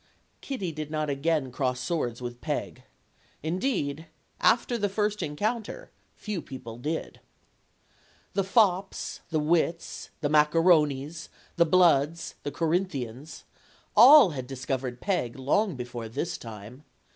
Kitty did not again cross swords with Peg. Indeed, after the first encounter, few people did. The fops, the wits, the macaronis, the bloods, the Corinthians all had discovered Peg long before this time.